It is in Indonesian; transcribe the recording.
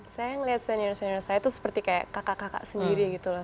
saya melihat senior senior saya tuh seperti kayak kakak kakak sendiri gitu loh